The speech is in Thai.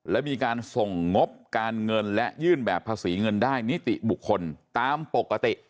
และมีการส่งงบการเงินและยื่นแบบภาษีเงินได้นิติบุคคลตามปกติ